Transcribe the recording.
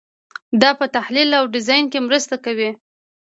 دا په تحلیل او ډیزاین کې مرسته کوي.